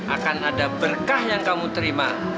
akan ada berkah yang kamu terima